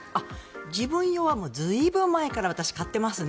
自分用は随分前から私は買っていますね。